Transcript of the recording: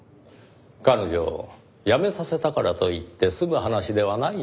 彼女を辞めさせたからといって済む話ではないと思いますがねぇ。